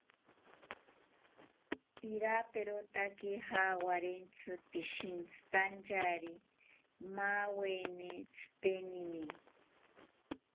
Piraperotaki jawarintzi, pishintzitantyari maaweni tzitenini